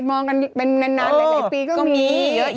มองกันเป็นนานหลายปีก็มีเยอะ